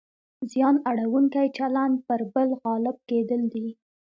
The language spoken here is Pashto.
زیان اړونکی چلند پر بل غالب کېدل دي.